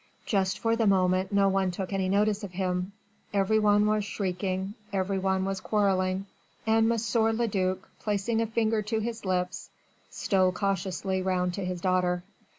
Just for the moment no one took any notice of him every one was shrieking, every one was quarrelling, and M. le duc, placing a finger to his lips, stole cautiously round to his daughter.